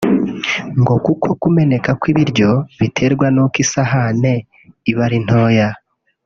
ngo kuko kumeneka kw’ibiryo biterwa n’uko isahane iba ari ntoya